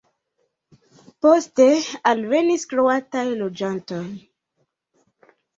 Poste alvenis kroataj loĝantoj.